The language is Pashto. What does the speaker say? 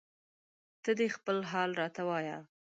ته دې خپل حال راته وایه